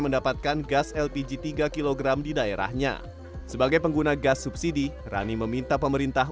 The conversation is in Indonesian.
mendapatkan gas lpg tiga kg di daerahnya sebagai pengguna gas subsidi rani meminta pemerintah